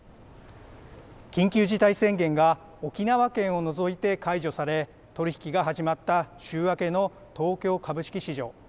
緊急事態宣言が沖縄県を除いて解除され取り引きが始まった週明けの東京株式市場。